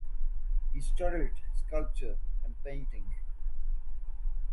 He studied sculpture and painting.